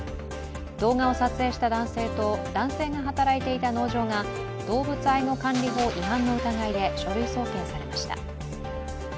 動画を撮影した男性と男性が働いていた農場が、動物愛護管理法違反の疑いで書類送検されました。